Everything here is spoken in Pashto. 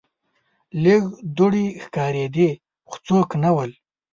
لږ دوړې ښکاریدې خو څوک نه ول.